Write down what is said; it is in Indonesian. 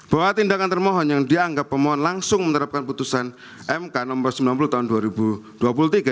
bahwa tindakan termohon yang dianggap pemohon langsung menerapkan putusan mk nomor sembilan puluh tahun dua ribu dua puluh tiga